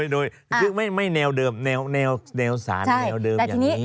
โดยไม่แนวสารแนวเดิมอย่างนี้